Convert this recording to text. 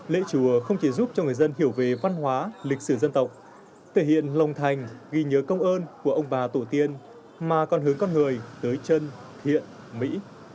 lễ chùa không chỉ giúp cho người dân hiểu về văn hóa lịch sử dân tộc thể hiện lòng thành ghi nhớ công ơn của ông bà tổ tiên mà còn hướng con người tới chân thiện mỹ